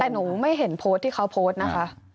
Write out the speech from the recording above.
แต่หนูไม่เห็นโพสต์ที่เขาโพสต์นะคะ